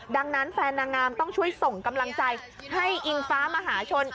ดังนั้นแฟนนางงามต้องช่วยส่งกำลังใจให้อิงฟ้ามหาชน